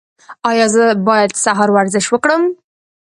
ایا زه باید سهار ورزش وکړم؟